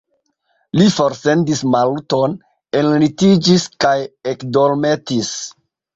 Li forsendis Maluton, enlitiĝis kaj ekdormetis.